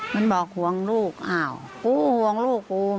มันบอกห่วงลูกอ้าวกูห่วงลูกกู